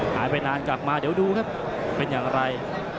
หายไปนานกลับมาเดี๋ยวดูครับเป็นอย่างไร